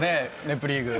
『ネプリーグ』